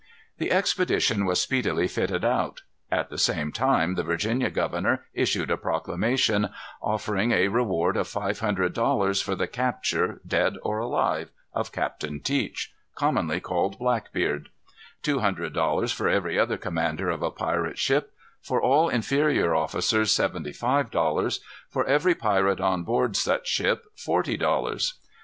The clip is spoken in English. The expedition was speedily fitted out. At the same time the Virginia governor issued a proclamation, offering a reward of five hundred dollars for the capture, dead or alive, of Captain Teach, commonly called Blackbeard; two hundred dollars for every other commander of a pirate ship; for all inferior officers seventy five dollars; for every pirate on board such ship forty dollars.